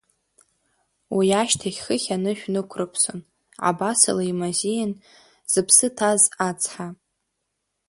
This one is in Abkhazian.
Уи ашьҭахь хыхь анышә нықәрыԥсон, абасала имазеин зыԥсы ҭаз ацҳа.